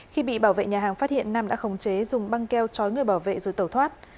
khi bị bảo vệ nhà hàng phát hiện nam đã khống chế dùng băng keo chói người bảo vệ rồi tẩu thoát